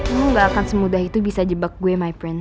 aku gak akan semudah itu bisa jebak gue my print